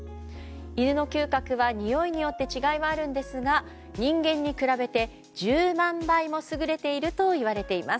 犬の嗅覚は、においによって違いはあるんですが人間に比べて１０万倍も優れているといわれています。